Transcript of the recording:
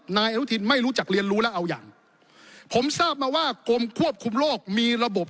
นายอนุทินไม่รู้จักเรียนรู้แล้วเอายังผมทราบมาว่ากรมควบคุมโรคมีระบบ